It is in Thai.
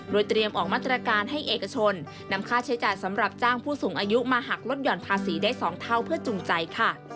เตรียมออกมาตรการให้เอกชนนำค่าใช้จ่ายสำหรับจ้างผู้สูงอายุมาหักลดห่อนภาษีได้๒เท่าเพื่อจุงใจค่ะ